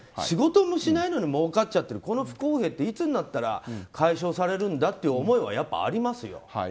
仕事もしないのにもうかっちゃってる不公平っていつになったら解消されるんだという思いはやっぱありますよ。